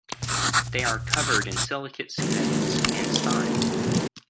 They are covered in silicate scales and spines.